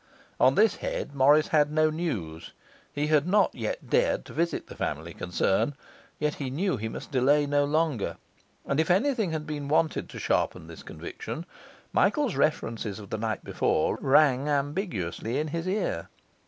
On this head Morris had no news. He had not yet dared to visit the family concern; yet he knew he must delay no longer, and if anything had been wanted to sharpen this conviction, Michael's references of the night before rang ambiguously in his ear.